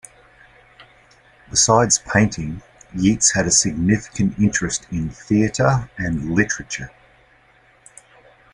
Besides painting, Yeats had a significant interest in theatre and in literature.